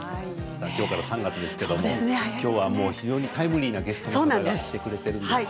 今日から３月ですけれども今日は非常にタイムリーなゲストの方が来てくれているんですよね。